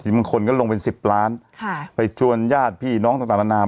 บางคนก็ลงเป็นสิบล้านค่ะไปชวนญาติพี่น้องต่างต่างละนาม